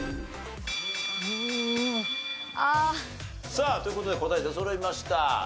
さあという事で答え出そろいました。